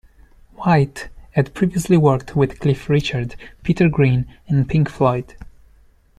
White had previously worked with Cliff Richard, Peter Green and Pink Floyd.